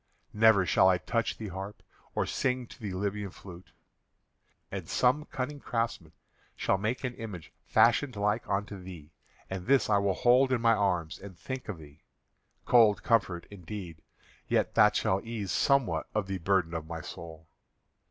Never shall I touch the harp or sing to the Libyan flute. And some cunning craftsman shall make an image fashioned like unto thee, and this I will hold in my arms and think of thee. Cold comfort indeed, yet that shall ease somewhat of the burden of my soul.